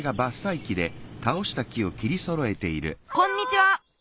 こんにちは！